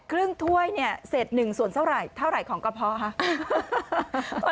ครึ่งถ้วยเนี่ยเสร็จ๑ส่วนเท่าไหร่ของกระเพาะฮะ